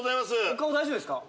お顔大丈夫ですか？